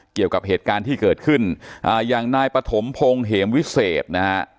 เกี่ยวกับเหตุการณ์ที่เกิดขึ้นอ่าอย่างนายปฐมพงศ์เหมวิเศษนะฮะ